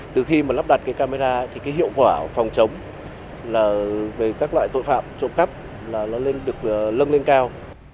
từ khi mà lắp đặt cái camera thì cái hiệu quả phòng chống là về các loại tội phạm trộm cắp là nó được lưng lên cao